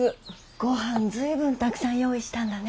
ごはん随分たくさん用意したんだね。